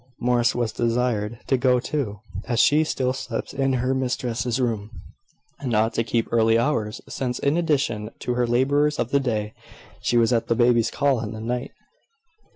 Morris was desired to go too, as she still slept in her mistress's room, and ought to keep early hours, since, in addition to her labours of the day, she was at the baby's call in the night.